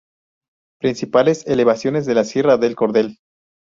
Principales elevaciones de la Sierra del Cordel.